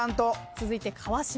続いて川島さん。